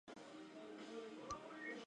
Le Val-d'Esnoms